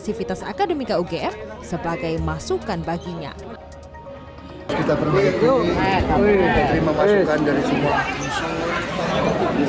civitas academica ugm sebagai masukkan baginya kita berhenti terima masukan dari semua musuh